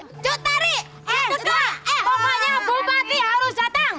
eh cuta pokoknya bupati harus datang